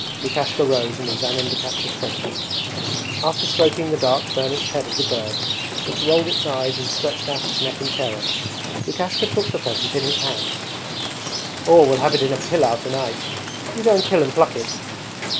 Lukashka rose and examined the captured pheasant. After stroking the dark burnished head of the bird, which rolled its eyes and stretched out its neck in terror, Lukashka took the pheasant in his hands. 'We'll have it in a pilau tonight. You go and kill and pluck it.'